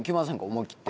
思いきって。